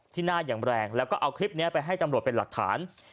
หน้าอย่างแรงแล้วก็เอาคลิปนี้ไปให้ตำรวจเป็นหลักฐาน